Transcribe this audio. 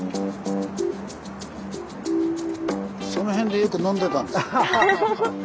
その辺でよく飲んでたんです。